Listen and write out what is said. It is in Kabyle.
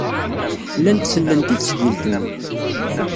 Llant sellent i tesgilt-nni.